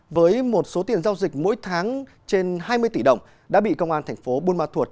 với một số tiền giao dịch mỗi tháng trên hai mươi tỷ đồng đã bị công an thành phố buôn ma thuột